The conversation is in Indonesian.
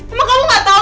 emang kamu gak tau